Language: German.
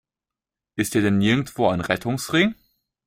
Ist hier denn nirgendwo ein Rettungsring?